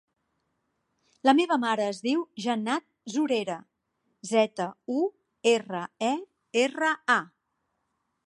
La meva mare es diu Jannat Zurera: zeta, u, erra, e, erra, a.